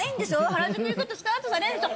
原宿行くとスカウトされるんでしょ？